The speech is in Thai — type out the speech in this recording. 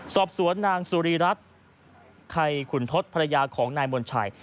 สอบสวนนางสุรีรัฐไข่ขุนทศภรรยาของนายมนชัย